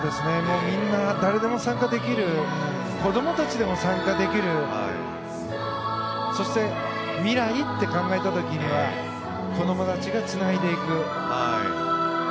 みんな誰でも参加できる子どもたちでも参加できるそして、未来って考えた時には子どもたちがつないでいく。